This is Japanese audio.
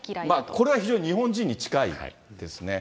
これは非常に日本人に近いですね。